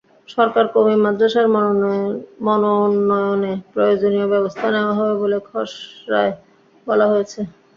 সরকার কওমি মাদ্রাসার মানোন্নয়নে প্রয়োজনীয় ব্যবস্থা নেওয়া হবে বলে খসড়ায় বলা হয়েছে।